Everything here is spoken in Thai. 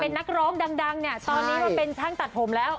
เป็นนักร้องดังเนี่ยตอนนี้ก็เป็นช่างตัดผมแล้ว